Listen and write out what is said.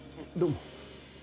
どうも。